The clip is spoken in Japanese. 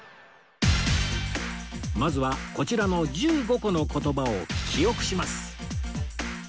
まずはこちらの１５個の言葉を記憶します